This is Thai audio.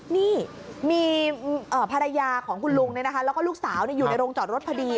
นี่มีภรรยาของคุณลุงแล้วก็ลูกสาวอยู่ในโรงจอดรถพอดี